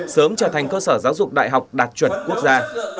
sớm trở thành cơ sở giáo dục đại học đạt chuẩn quốc gia